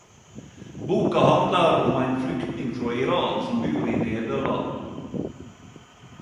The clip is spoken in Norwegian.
Boka handlar om ein flyktning frå Iran som bur i Nederland.